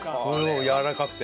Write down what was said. やわらかくて。